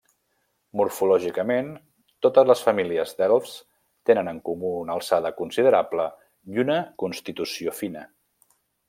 Morfològicament, totes les famílies d'elfs tenen en comú una alçada considerable i una constitució fina.